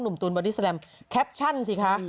หนุ่มตูนบาร์ดี้แซลัมแคปชั่นสิคะ